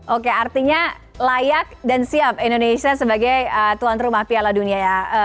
oke artinya layak dan siap indonesia sebagai tuan rumah piala dunia ya